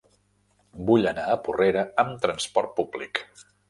Vull anar a Porrera amb trasport públic.